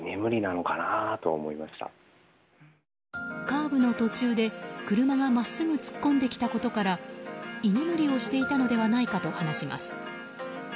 カーブの途中で、車が真っすぐ突っ込んできたことから居眠りをしていたのではないかと話します。